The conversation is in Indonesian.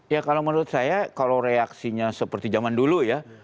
ya kalau menurut saya kalau reaksinya seperti zaman dulu ya